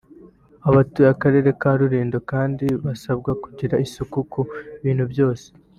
Abatuye Akarere ka Rulindo kandi basabwe kugira isuku ku bintu byose